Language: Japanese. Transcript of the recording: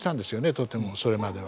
とてもそれまでは。